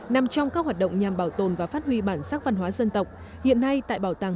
nằm trong các hoạt động nhằm bảo tồn và phát huy bản sắc văn hóa dân tộc hiện nay tại bảo tàng